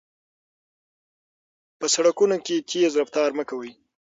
په سړکونو کې تېز رفتار مه کوئ.